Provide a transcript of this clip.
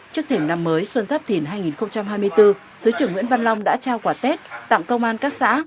trước thềm năm mới xuân giáp thìn hai nghìn hai mươi bốn thứ trưởng nguyễn văn long đã trao quả tết tặng công an các xã